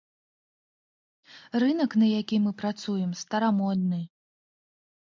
Рынак, на які мы працуем, старамодны.